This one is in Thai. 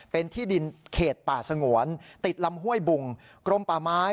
เป็นที่ดินเขตป่าสงวนติดลำห้วยบุงกรมป่าไม้